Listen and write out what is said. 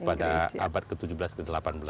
pada abad ke tujuh belas ke delapan belas